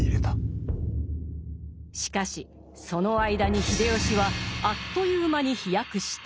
しかしその間に秀吉はあっという間に飛躍した。